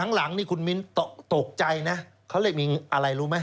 หลังนี่คุณมิ้นตกใจนะเขาเรียกมีอะไรรู้ไหม